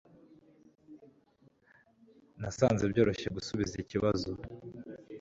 nasanze byoroshye gusubiza ikibazo